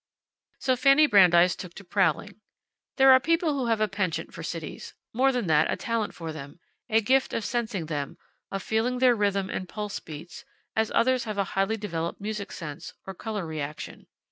So Fanny Brandeis took to prowling. There are people who have a penchant for cities more than that, a talent for them, a gift of sensing them, of feeling their rhythm and pulse beats, as others have a highly developed music sense, or color reaction.